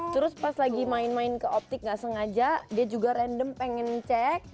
terus pas lagi main main ke optik gak sengaja dia juga random pengen cek